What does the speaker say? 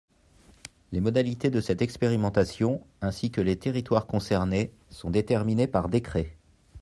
Les modalités de cette expérimentation, ainsi que les territoires concernés, sont déterminés par décret.